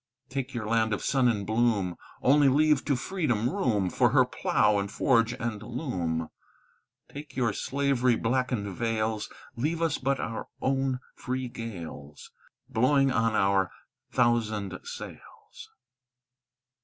"Take your land of sun and bloom; Only leave to Freedom room For her plough, and forge, and loom; "Take your slavery blackened vales; Leave us but our own free gales, Blowing on our thousand sails.